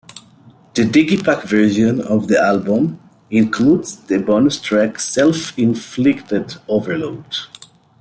The digipak version of the album includes the bonus track, "Self Inflicted Overload".